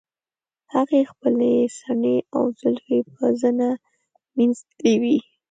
هغې خپلې څڼې او زلفې په زنه مینځلې وې.